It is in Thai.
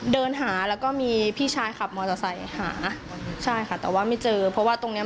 เดินหาแล้วก็มีพี่ชายขับมอเตอร์ไซค์หาใช่ค่ะแต่ว่าไม่เจอเพราะว่าตรงเนี้ย